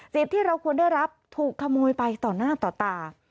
ที่เราควรได้รับถูกขโมยไปต่อหน้าต่อตา